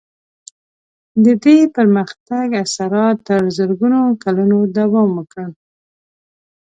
د دې پرمختګ اثرات تر زرګونو کلونو دوام وکړ.